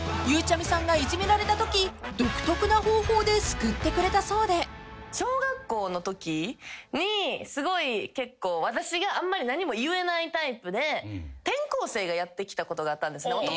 ［ゆうちゃみさんがいじめられたとき独特な方法で救ってくれたそうで］小学校のときにすごい結構私があんまり何も言えないタイプで転校生がやって来たことがあったんですね。